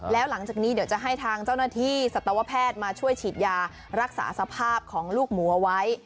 แล้วหลังจากนี้เดี๋ยวจะให้ทางเจ้าหน้าที่สัตวแพทย์มาช่วยฉีดยารักษาสภาพของลูกหมูเอาไว้